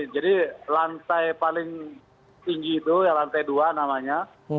jadi lantai paling tinggi itu lantai dua namanya